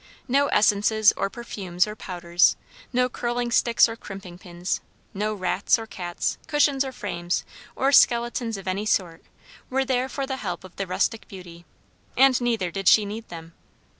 No essences or perfumes or powders; no curling sticks or crimping pins; no rats or cats, cushions or frames, or skeletons of any sort, were there for the help of the rustic beauty; and neither did she need them.